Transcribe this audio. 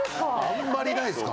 あんまりないっすか。